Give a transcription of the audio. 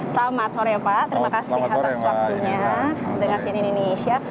selamat sore pak terima kasih atas waktunya dengan cnn indonesia